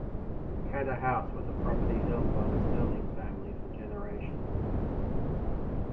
Cadder House was a property held by the Stirling family for generations.